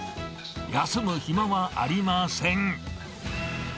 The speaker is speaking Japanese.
休む暇はありません。